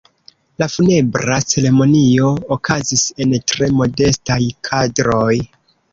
La funebra ceremonio okazis en tre modestaj kadroj.